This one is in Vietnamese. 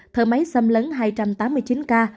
thở máy xâm lấn hai trăm tám mươi chín ca